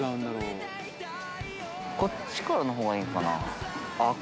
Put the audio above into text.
覆个拭こっちからの方がいいのかな？